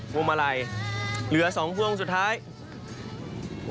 โมาเลยไหมไม่รัฐาทดิ